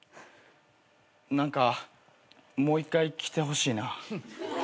何かもう一回来てほしいな。